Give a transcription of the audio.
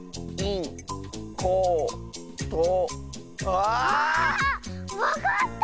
ああっ⁉わかった！